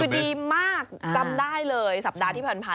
คือดีมากจำได้เลยสัปดาห์ที่ผ่านมา